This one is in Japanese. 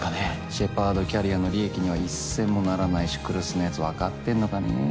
シェパードキャリアの利益には１銭もならないし来栖のやつわかってんのかね。